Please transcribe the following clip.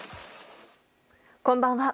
こんばんは。